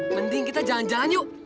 mending kita jalan jalan yuk